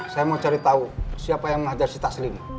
saya mau cari tau siapa yang mengajar si taslim